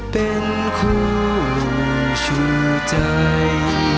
เป็นคู่ชูใจ